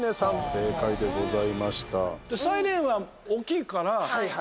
正解でございました。